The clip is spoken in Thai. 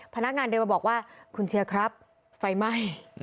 พนักงานเดินมาบอกว่าคุณเชียร์ครับไฟไหม้